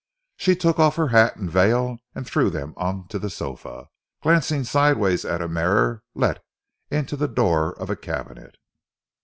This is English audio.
She took off her hat and veil and threw them on to the sofa, glancing sideways at a mirror let into the door of a cabinet.